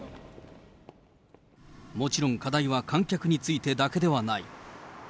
もちろん課題は観客についてだけではない。